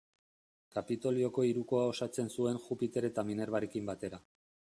Kapitolioko hirukoa osatzen zuen Jupiter eta Minervarekin batera.